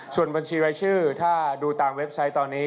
ส่วนบัญชีรายชื่อถ้าดูตามเว็บไซต์ตอนนี้